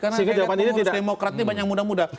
karena pengurus demokrat ini banyak muda muda